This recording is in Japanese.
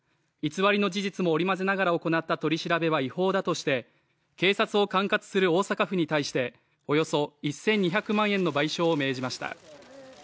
偽りの事実も織り交ぜながら行った取り調べは違法だとして警察を管轄する大阪府に対しておよそ１２００万円の賠償を命じました。